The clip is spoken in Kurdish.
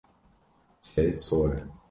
Sêv sor e.